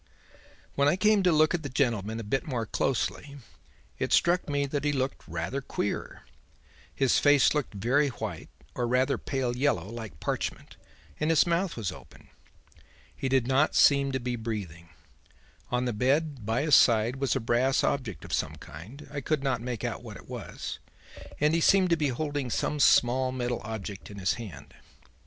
"'When I came to look at the gentleman a bit more closely, it struck me that he looked rather queer. His face looked very white, or rather pale yellow, like parchment, and his mouth was open. He did not seem to be breathing. On the bed by his side was a brass object of some kind I could not make out what it was and he seemed to be holding some small metal object in his hand.